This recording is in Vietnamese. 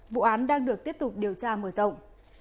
vụ án đang được tiếp tục điều tra mở rộng